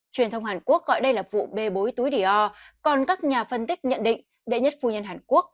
truyền thông hàn quốc gọi đây là vụ bê bối túi dìo còn các nhà phân tích nhận định đệ nhất phu nhân hàn quốc